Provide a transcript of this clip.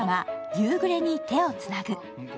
「夕暮れに、手をつなぐ」。